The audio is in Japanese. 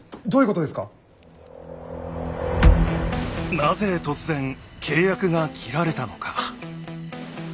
なぜ突然契約が切られたのか。